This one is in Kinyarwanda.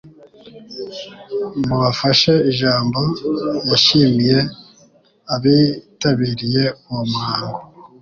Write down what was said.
mu bafashe ijambo yashimiye abitabiriye uwo muhango